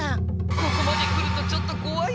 ここまで来るとちょっとこわいなあ。